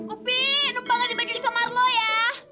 opi numpangkan baju di kamar lo ya